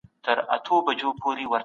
موږ بايد د خلګو ذوق ته جهت ورکړو.